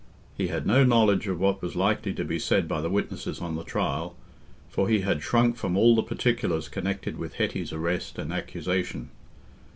He had no knowledge of what was likely to be said by the witnesses on the trial, for he had shrunk from all the particulars connected with Hetty's arrest and accusation.